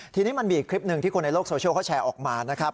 ทีนี้มันมีอีกคลิปหนึ่งที่คนในโลกโซเชียลเขาแชร์ออกมานะครับ